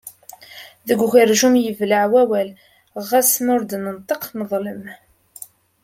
Deg ugerjum yebleɛ wawal, ɣas ma ur d-nenṭiq neḍlem.